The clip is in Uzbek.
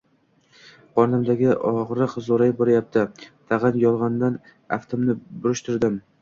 – Qornimdagi og‘riq zo‘rayib boryapti, – tag‘in yolg‘ondan aftimni burishtirdim